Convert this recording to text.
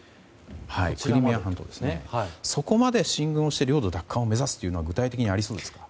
そこまで進軍をして領土奪還を目指すというのは具体的にありそうですか？